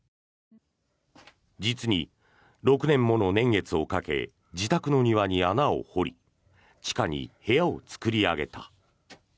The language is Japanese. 実に６年もの年月をかけ自宅の庭に穴を掘り地下に部屋を作り上げた。